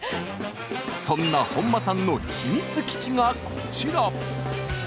そんな本間さんの秘密基地がこちら。